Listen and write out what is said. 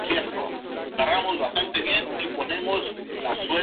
La parte trasera del álbum incluye un dibujo realizado por Cobain.